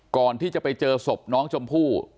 ก่อนที่จะไปเจอศพน้องชมพู่